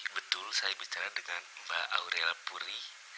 betul saya bicara dengan mbak aurel puri